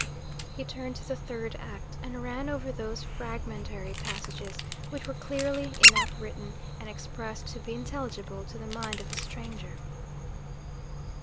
He turned to the Third Act, and ran over those fragmentary passages which were clearly enough written and expressed to be intelligible to the mind of a stranger.